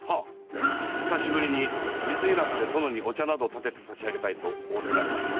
久しぶりに水入らずで殿にお茶を点てて差し上げたいと仰せられて。